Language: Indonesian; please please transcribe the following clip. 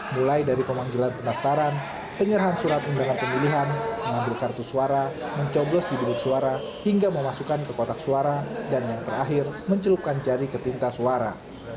mulai dari pemanggilan pendaftaran penyerahan surat undangan pemilihan mengambil kartu suara mencoblos di bibit suara hingga memasukkan ke kotak suara dan yang terakhir mencelupkan jari ke tinta suara